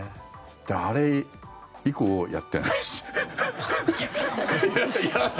だからあれ以降やってないです。